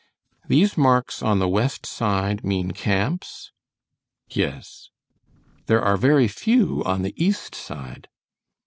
"These marks on the west side mean camps?" "Yes." "There are very few on the east side?"